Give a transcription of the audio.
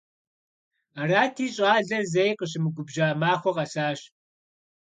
Арати, щӀалэр зэи къыщымыгубжьа махуэ къэсащ.